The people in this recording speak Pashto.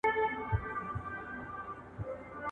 نور خلگ پيسې گټي، پښتانه کيسې گټي.